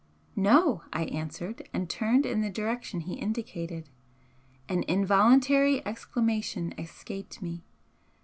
"No," I answered, and turned in the direction he indicated. An involuntary exclamation escaped me.